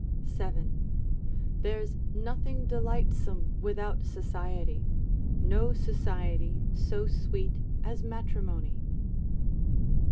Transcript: —7. There's nothing delightsome without society, no society so sweet as matrimony.